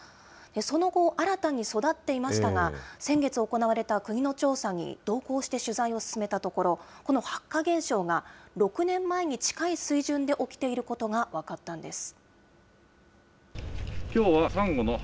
その後、新たに育っていましたが、先月行われた国の調査に同行して取材を進めたところ、この白化現象が６年前に近い水準で起きていることが分かったんです。